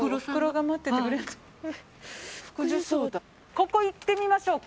ここ行ってみましょうか。